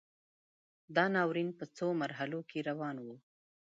دا ناورین په څو مرحلو کې روان و.